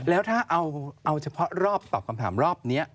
แล้วถ้าเอาเฉพาะรอบตอบคำถามรอบนี้